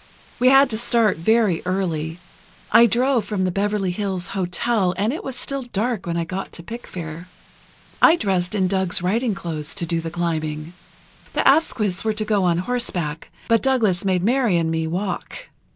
We had to start very early. I drove from the Beverley Hills Hotel and it was still dark when I got to Pickfair. I dressed in Doug's riding clothes to do the climbing. The Asquiths were to go on horseback, but Douglas made Mary and me walk.